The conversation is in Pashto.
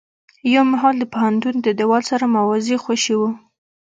يو مهال د پوهنتون د دېوال سره موازي خوشې و.